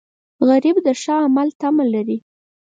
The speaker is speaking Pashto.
غریب د ښه عمل تمه لري